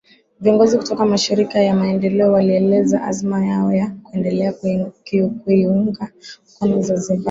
Viongozi kutoka Mashirika ya Maendeleo walieleza azma yao ya kuendelea kuiunga mkono Zanzibar